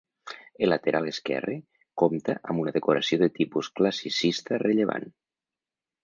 El lateral esquerre compta amb una decoració de tipus classicista rellevant.